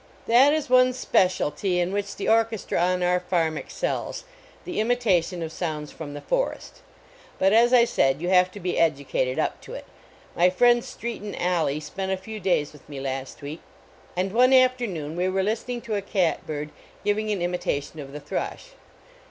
That is one specialty in which the orches tra on our farm excels the imitation of sounds from the forest. But as I said, you have to be educated up to it. My friend Streaton Alleigh spent a few days with me last week, and one afternoon we were listen ing to a cat bird giving an imitation of the thrush.